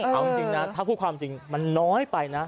เอาจริงนะถ้าพูดความจริงมันน้อยไปนะ